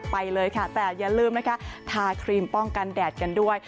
ไปเลยค่ะแต่อย่าลืมนะคะทาครีมป้องกันแดดกันด้วย